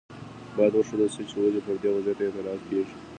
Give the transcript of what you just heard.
باید وښودل شي چې ولې پر دې وضعیت اعتراض کیږي.